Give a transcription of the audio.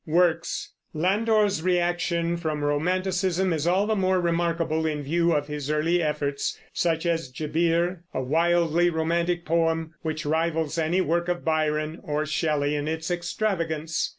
WORKS. Landor's reaction from Romanticism is all the more remarkable in view of his early efforts, such as Gebir, a wildly romantic poem, which rivals any work of Byron or Shelley in its extravagance.